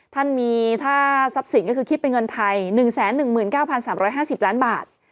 ท่านมีถ้าทรัพย์สินก็คือคิดเป็นเงินไทย๑๑๙๓๕๐ล้านบาท